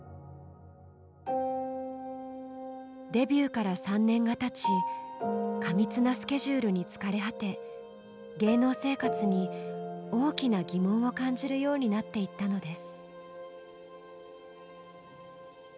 デビューから３年がたち過密なスケジュールに疲れ果て芸能生活に大きな疑問を感じるようになっていったのです。